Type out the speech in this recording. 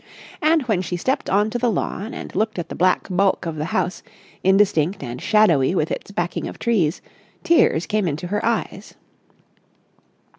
And, when she stepped on to the lawn and looked at the black bulk of the house, indistinct and shadowy with its backing of trees, tears came into her eyes.